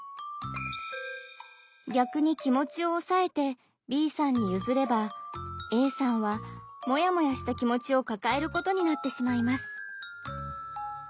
逆に気持ちをおさえてＢさんにゆずればＡさんはモヤモヤした気持ちをかかえることになってしまいます。